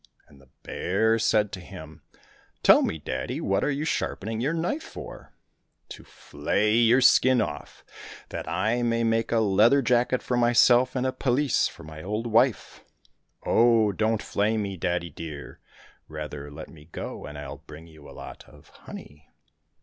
And the bear said to him, " Tell me, daddy, what are you sharpening your knife for }"—" To flay your skin off, that I may make a leather jacket for myself and a pelisse for my old wife." —" Oh ! don't flay me, daddy dear ! Rather let me go, and I'll bring you a lot of honey."